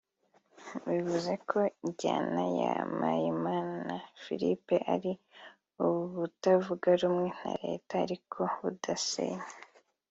Bivuze ko injyana ya Mpayimana Philippe ari ubutavuga rumwe na Leta ariko budasenya